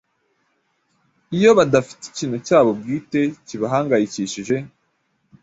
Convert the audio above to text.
Iyo badafite ikintu cyabo bwite kibahangayikishije,